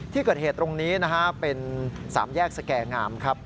ที่เกิดเหตุตรงนี้นะฮะเป็นสามแยกสแก่งามครับ